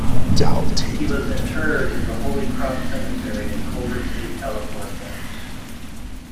He was interred in the Holy Cross Cemetery in Culver City, California.